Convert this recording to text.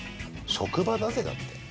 職場だぜだって。